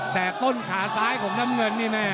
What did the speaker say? แต่ต้นขาซ้ายของน้ำเงินนี่แม่